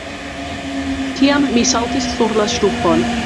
Tiam mi saltis sur la ŝtupon.